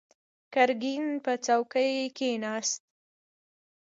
ګرګين پر څوکۍ کېناست.